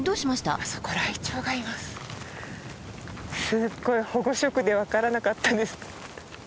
すっごい保護色で分からなかったです。